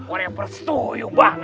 orang yang bersetuyung banget lu